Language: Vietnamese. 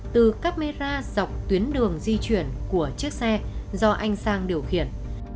từ camera dọc tuyến đường di chuyển của chiếc xe do anh sang điều khiển